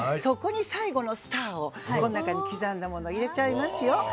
そこに最後のスターをこの中に刻んだものを入れちゃいますよ。